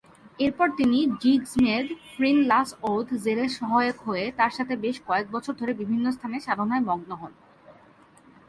এরপর তিনি 'জিগ্স-মেদ-'ফ্রিন-লাস-'ওদ-জেরের সহায়ক হয়ে তার সাথে বেশ কয়েক বছর ধরে বিভিন্ন স্থানে সাধনায় মগ্ন হন।